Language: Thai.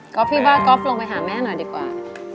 ก็พี่บ้าก๊อฟลงไปหาแม่หน่อยดีกว่า